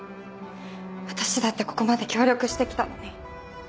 私だってここまで協力して来たのに。